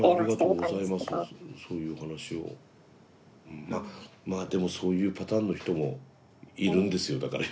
うんまあでもそういうパターンの人もいるんですよだから